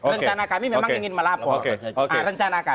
rencana kami memang ingin melapor rencanakan